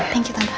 thank you tante